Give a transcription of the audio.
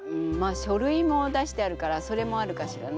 書類も出してあるからそれもあるかしらね。